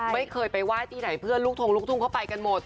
ไม่เคยไปไหว้ที่ไหนเพื่อนลูกทงลูกทุ่งเข้าไปกันหมด